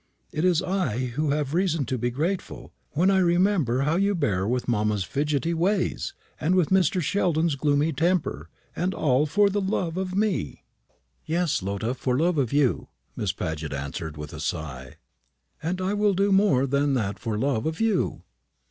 It is I who have reason to be grateful, when I remember how you bear with mamma's fidgety ways, and with Mr. Sheldon's gloomy temper, and all for love of me." "Yes, Lotta, for love of you," Miss Paget answered, with a sigh; "and I will do more than that for love of you."